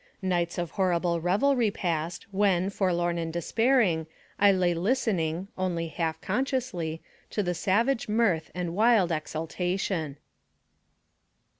Nights of horrible revelry passed, when, forlorn and despairing, I lay listening, only half consciously, to the savage mirth and wild exultation.